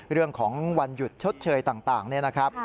เรื่องของวันหยุดชดเชยต่างเนี่ยนะครับ